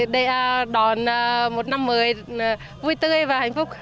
để đón một năm mới vui tươi và hạnh phúc